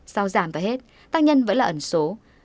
sau giảm và hết tác nhân vẫn là ẩn số